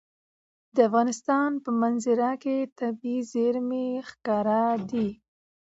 د افغانستان په منظره کې طبیعي زیرمې ښکاره ده.